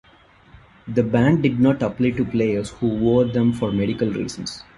The ban did not apply to players who wore them for medical reasons.